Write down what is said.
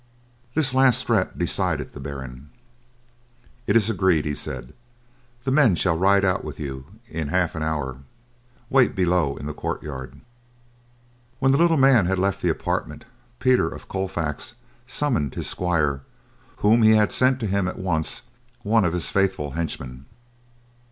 This last threat decided the Baron. "It is agreed," he said. "The men shall ride out with you in half an hour. Wait below in the courtyard." When the little man had left the apartment, Peter of Colfax summoned his squire whom he had send to him at once one of his faithful henchmen.